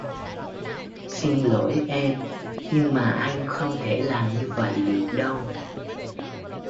Xin lỗi em nhưng mà anh không thể làm như vậy được đâu